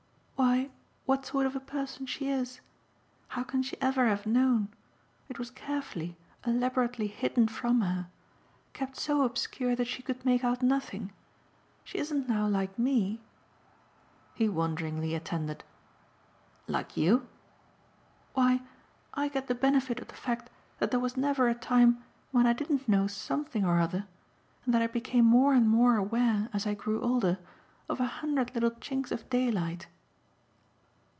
"Why what sort of a person she is. How can she ever have known? It was carefully, elaborately hidden from her kept so obscure that she could make out nothing. She isn't now like ME." He wonderingly attended. "Like you?" "Why I get the benefit of the fact that there was never a time when I didn't know SOMETHING or other, and that I became more and more aware, as I grew older, of a hundred little chinks of daylight."